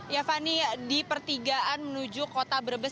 ya fani di pertigaan menuju kota brebes